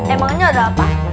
emangnya ada apa